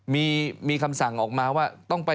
มีคำสั่งออกมาว่า